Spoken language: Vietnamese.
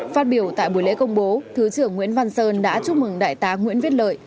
phát biểu tại buổi lễ công bố thứ trưởng nguyễn văn sơn đã chúc mừng đại tá nguyễn viết lợi